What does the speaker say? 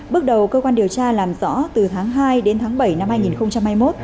bước đầu cơ quan điều tra làm rõ từ tháng hai đến tháng bảy năm hai nghìn hai mươi một